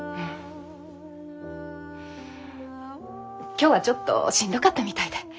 今日はちょっとしんどかったみたいで。